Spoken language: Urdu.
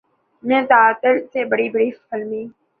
میں تعطل سے بڑی بڑی فلمی